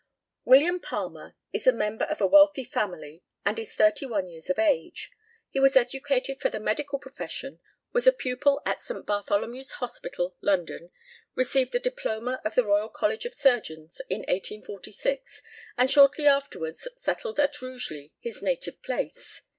William Palmer is a member of a wealthy family, and is thirty one years of age. He was educated for the medical profession, was a pupil at St. Bartholemew's Hospital, London, received the diploma of the Royal College of Surgeons in 1846, and shortly afterwards settled at Rugeley, his native place.